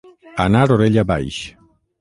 Anar orella baix.